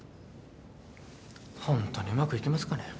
ほんとにうまくいきますかね？